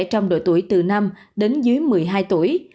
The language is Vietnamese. trong độ tuổi từ năm đến dưới một mươi hai tuổi